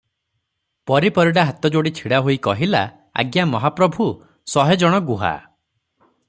ପରି ପରିଡା ହାତଯୋଡି ଛିଡ଼ା ହୋଇ କହିଲା, "ଆଜ୍ଞା ମହାପ୍ରଭୁ, ଶହେ ଜଣ ଗୁହା ।